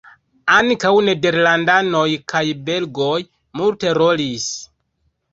Ankaŭ nederlandanoj kaj belgoj multe rolis.